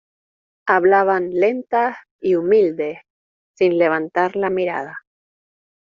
hablaban lentas y humildes, sin levantar la mirada: